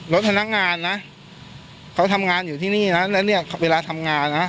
พนักงานนะเขาทำงานอยู่ที่นี่นะแล้วเนี่ยเวลาทำงานนะ